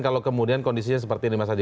kalau kemudian kondisinya seperti ini mas haji